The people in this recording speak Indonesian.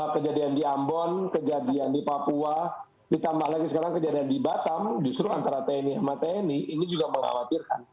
kejadian di ambon kejadian di papua ditambah lagi sekarang kejadian di batam justru antara tni sama tni ini juga mengkhawatirkan